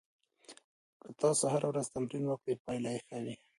که تاسو هره ورځ تمرین وکړئ، پایله ښه وي.